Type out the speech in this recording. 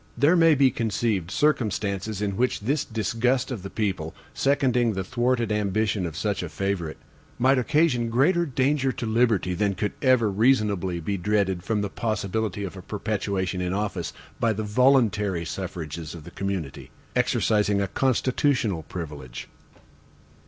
There may be conceived circumstances in which this disgust of the people, seconding the thwarted ambition of such a favorite, might occasion greater danger to liberty, than could ever reasonably be dreaded from the possibility of a perpetuation in office, by the voluntary suffrages of the community, exercising a constitutional privilege.